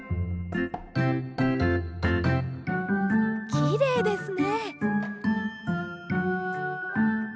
きれいですね。